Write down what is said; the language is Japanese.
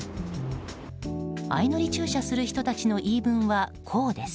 相乗り駐車する人たちの言い分はこうです。